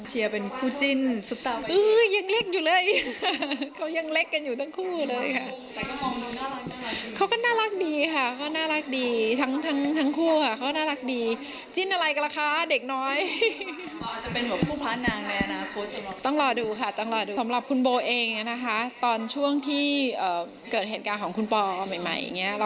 เชียร์เป็นคู่จิ้นสุดตามันดี